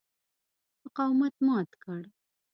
مقاومت مات کړ.